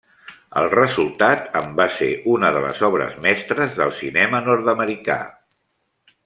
El resultat en va ser una de les obres mestres del cinema nord-americà.